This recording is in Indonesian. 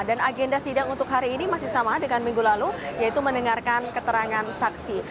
dan agenda sidang untuk hari ini masih sama dengan minggu lalu yaitu mendengarkan keterangan saksi